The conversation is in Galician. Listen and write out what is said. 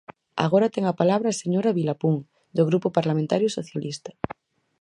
Agora ten a palabra a señora Vilapún, do Grupo Parlamentario Socialista.